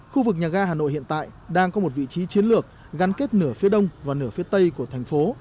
khu vực nhà ga hà nội hiện tại đang có một vị trí chiến lược gắn kết nửa phía đông và nửa phía tây của thành phố